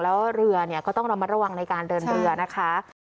แล้วเรือก็ต้องเรามาระวังในการเดินเรือนะคะ